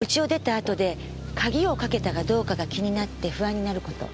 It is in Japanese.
家を出た後で鍵をかけたかどうかが気になって不安になること。